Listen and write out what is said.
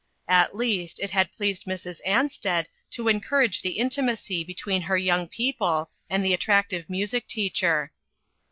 At least, it had pleased Mrs. Ansted to encourage the intimacy between her young people and the attractive music teacher.